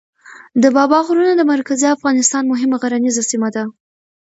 د بابا غرونه د مرکزي افغانستان مهمه غرنیزه سیمه ده.